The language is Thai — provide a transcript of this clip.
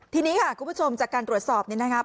ทีนี้ค่ะคุณผู้ชมจากการตรวจสอบเนี่ยนะครับ